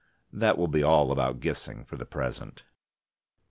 That will be all about Gissing for the present.